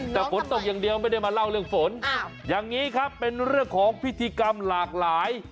แต่ฝนตกอย่างเดียวไม่ได้มาเล่าเรื่องฝนอย่างนี้ครับเป็นเรื่องของพิธีกรรมหลากหลาย